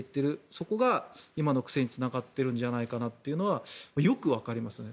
そこが今の苦戦につながっているんじゃないかというのはよくわかりますよね。